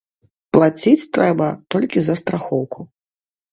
Плаціць трэба толькі за страхоўку.